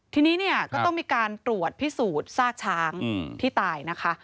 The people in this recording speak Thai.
ทีนี้เนี่ยก็ต้องมีการตรวจพิสูจน์ซากช้างที่ตายนะคะ